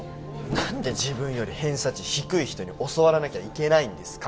何で自分より偏差値低い人に教わらなきゃいけないんですか？